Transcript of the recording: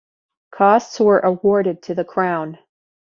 Costs were awarded to the Crown.